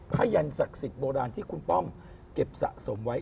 ยันศักดิ์สิทธิ์โบราณที่คุณป้อมเก็บสะสมไว้